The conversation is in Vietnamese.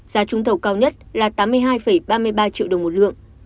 giá trúng thầu cao nhất là tám mươi hai ba mươi ba triệu đồng một lượng